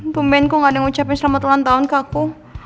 pemen kok gak ada yang ngucapin selamat ulang tahun ke aku